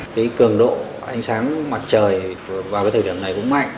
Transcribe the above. cái cường độ ánh sáng mặt trời vào cái thời điểm này cũng mạnh